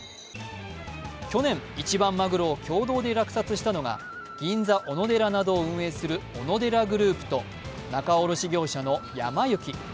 去年、一番まぐろを共同で落札したのは、銀座おのでらなどを運営するＯＮＯＤＥＲＡＧＲＯＵＰと、仲卸業者のやま幸。